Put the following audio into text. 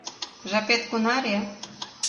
— Жапет кунаре?